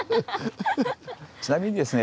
ちなみにですね